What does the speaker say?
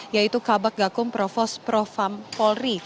yaitu kabak gakum provos provam polri